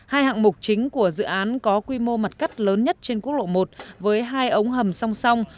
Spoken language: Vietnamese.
hai hạng mục chính của dự án có quy mô mặt cắt lớn nhất trên quốc lộ một với hai ống hầm song song